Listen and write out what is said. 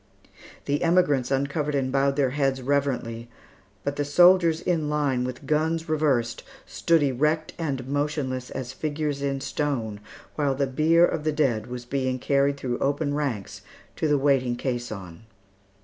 The emigrants uncovered and bowed their heads reverently, but the soldiers in line, with guns reversed, stood erect and motionless as figures in stone, while the bier of the dead was being carried through open ranks to the waiting caisson.